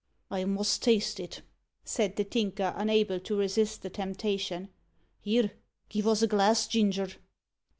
"I must taste it," said the Tinker, unable to resist the temptation. "Here, give us a glass, Ginger!"